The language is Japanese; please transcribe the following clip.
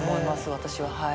私ははい。